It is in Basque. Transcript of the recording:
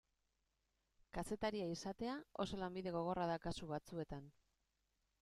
Kazetaria izatea oso lanbide gogorra da kasu batzuetan.